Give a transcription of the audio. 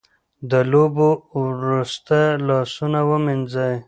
د لوبو وروسته لاسونه ومینځئ.